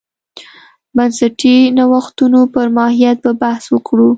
بنسټي نوښتونو پر ماهیت به بحث وکړو.